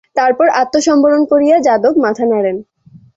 তারপর আত্মসম্বরণ করিয়া যাদব মাথা নাড়েন।